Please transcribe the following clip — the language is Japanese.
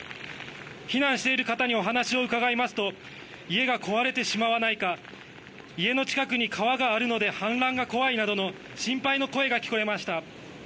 避難している方にお話を伺いますと家が壊れてしまわないか家の近くに川があるので氾濫が怖いなどの心配の声が聞こえました。